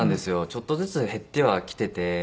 ちょっとずつ減ってはきてて。